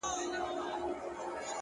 څوک وایي گران دی. څوک وای آسان دی.